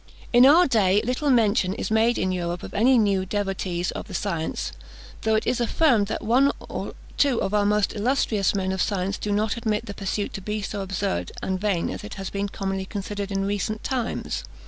In our day little mention is made in Europe of any new devotees of the science, though it is affirmed that one or two of our most illustrious men of science do not admit the pursuit to be so absurd and vain as it has been commonly considered in recent times.